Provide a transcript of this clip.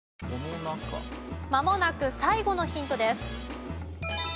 まもなく最後のヒントです。